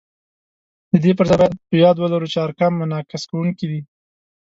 د دې پر ځای باید په یاد ولرو چې ارقام منعکس کوونکي دي